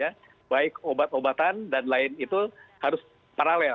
ya baik obat obatan dan lain itu harus paralel